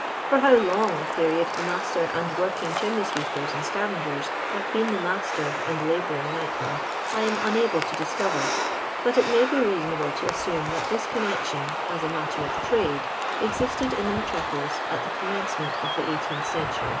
For how bmg a period tho master and work ing chimney sweepers and scavengers have been the master and labouring uightrnen I am unable to tUscover, but it may be reasonable ii> assume that this connexion, as a matter c^l trade, existed in tho metropohs at the com mencement ofthe eigliteentli contur>'.